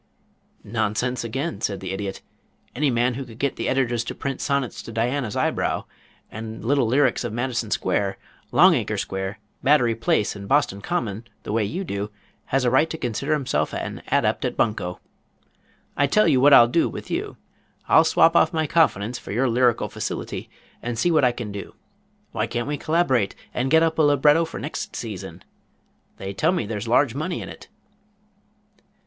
"Nonsense again," said the Idiot. "Any man who can get the editors to print Sonnets to Diana's Eyebrow, and little lyrics of Madison Square, Longacre Square, Battery Place and Boston Common, the way you do, has a right to consider himself an adept at bunco. I tell you what I'll do with you. I'll swap off my confidence for your lyrical facility and see what I can do. Why can't we collaborate and get up a libretto for next season? They tell me there's large money in it."